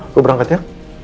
gue berangkat ya